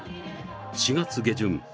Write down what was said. ４月下旬。